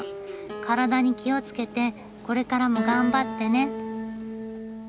体に気をつけてこれからも頑張ってね。